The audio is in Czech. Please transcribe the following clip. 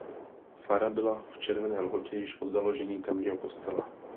Fara byla v Červené Lhotě již od založení tamního kostela.